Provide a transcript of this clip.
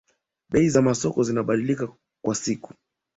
bei za masoko zinabadilika kwa siku